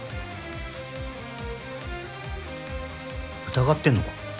疑ってんのか？